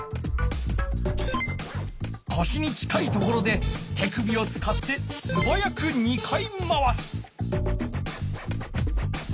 こしに近いところで手首をつかってすばやく２回まわす。